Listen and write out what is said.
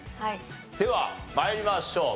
では参りましょう。